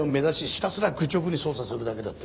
ひたすら愚直に捜査するだけだって。